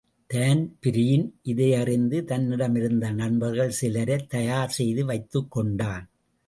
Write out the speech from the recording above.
Dan Breen இதையறிந்து தன்னிடமிருந்த நண்பர்கள் சிலரைத் தயார் செய்து வைத்துக்கொண்டான்.